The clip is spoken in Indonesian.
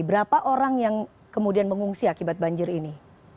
berapa orang yang kemudian mengungsi akibat banjir ini